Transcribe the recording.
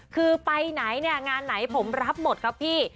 คือไปไหนเนี่ยงานไหนผมรับหมดครับพี่